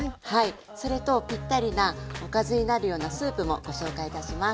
それとぴったりなおかずになるようなスープもご紹介いたします。